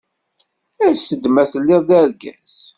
As-d ma telliḍ d argaz.